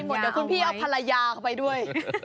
ตกใจหมดเดี๋ยวคุณพี่เอาภรรยาเข้าไปด้วย